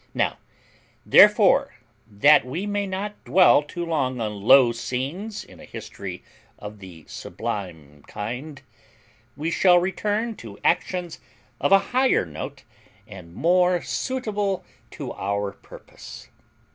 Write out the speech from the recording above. Now, therefore, that we may not dwell too long on low scenes in a history of the sublime kind, we shall return to actions of a higher note and more suitable to our purpose.